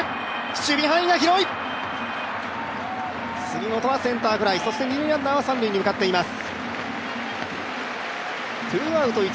杉本はセンターフライ、そして二塁ランナーは三塁に向かっています。